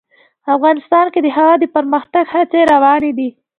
افغانستان کې د هوا د پرمختګ هڅې روانې دي.